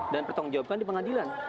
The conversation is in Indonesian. dan pertanggung jawaban di pengadilan